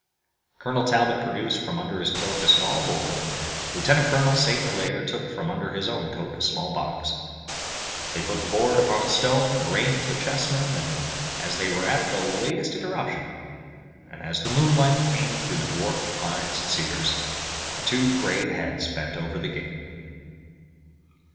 Colonel Talbot produced from under his coat a small board, and Lieutenant Colonel St. Hilaire took from under his own coat a small box. They put the board upon a broad stone, arranged the chessmen, as they were at the latest interruption, and, as the moonlight came through the dwarfed pines and cedars, the two gray heads bent over the game.